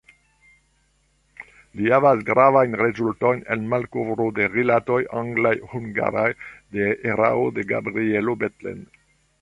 Li havas gravajn rezultojn en malkovro de rilatoj anglaj-hungaraj, de erao de Gabrielo Bethlen.